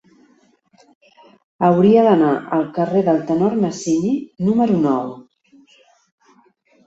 Hauria d'anar al carrer del Tenor Masini número nou.